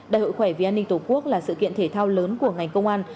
đại hội khỏe vì an ninh tổ quốc là sự kiện thể thao lớn của ngành công an